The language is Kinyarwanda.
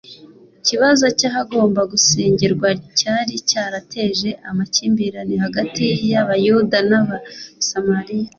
Ikibazo cy’ahagomba gusengerwa cyari cyarateje amakimbirane hagati y’Abayuda n’Abasamariya